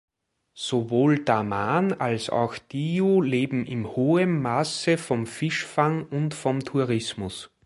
Sowohl Daman als auch Diu leben in hohem Maße vom Fischfang und vom Tourismus.